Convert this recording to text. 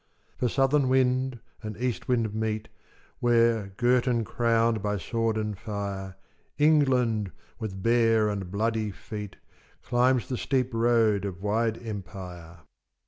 For southern wind and east wind meet Where, girt and crowned by sword and fire, England with bare and bloody feet Climbs the steep road of wide empire.